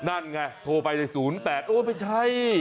นั่นไงโทรไปเลย๐๘โอ้ไม่ใช่